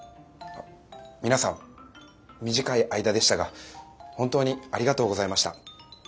皆さん短い間でしたが本当にありがとうございました。